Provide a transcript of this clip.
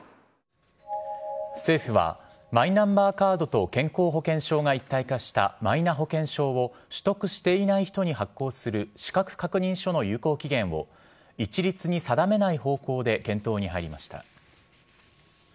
政府はマイナンバーカードと健康保険証が一体化したマイナ保険証を取得していない人に発行する資格確認書の有効期限を一律に定めない方向で検討に入りました。